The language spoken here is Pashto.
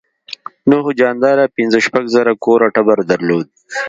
نوح جاندار پنځه شپږ زره کوره ټبر درلود.